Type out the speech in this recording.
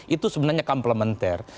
itu sebenarnya komplementer